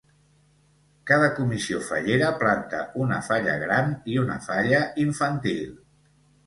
Cada comissió fallera planta una falla gran i una falla infantil.